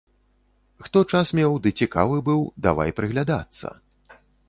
Хто час меў ды цікавы быў, давай прыглядацца.